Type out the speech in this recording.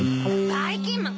ばいきんまん！